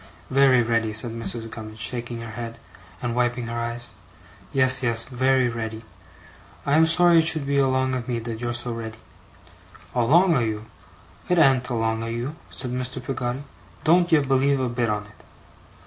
'Very ready,' said Mrs. Gummidge, shaking her head, and wiping her eyes. 'Yes, yes, very ready. I am sorry it should be along of me that you're so ready.' 'Along o' you! It an't along o' you!' said Mr. Peggotty. 'Don't ye believe a bit on it.